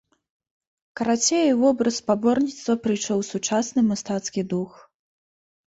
Карацей, у вобраз спаборніцтва прыйшоў сучасны мастацкі дух.